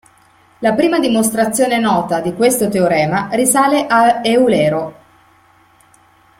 La prima dimostrazione nota di questo teorema risale a Eulero.